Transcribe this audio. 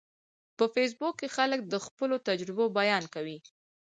په فېسبوک کې خلک د خپلو تجربو بیان کوي